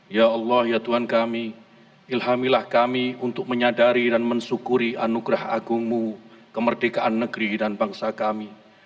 ya allah ya tuhan kami ilhamilah kami untuk menyadari dan mensyukuri anugerah agungmu kemerdekaan negeri dan bangsa kami